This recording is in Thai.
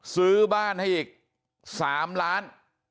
ซื้อบ้านให้อีก๓ล้าน